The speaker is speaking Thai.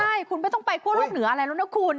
ใช่คุณไม่ต้องไปคั่วโลกเหนืออะไรแล้วนะคุณ